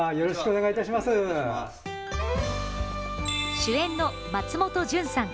主演の松本潤さん。